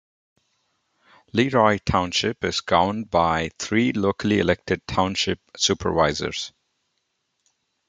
Leroy Township is governed by three locally elected Township Supervisors.